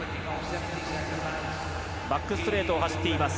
バックストレートを走っています。